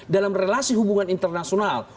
dalam relasi hubungan internasional